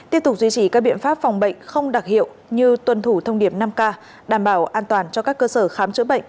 tiếp tục duy trì các biện pháp phòng bệnh không đặc hiệu như tuân thủ thông điệp năm k đảm bảo an toàn cho các cơ sở khám chữa bệnh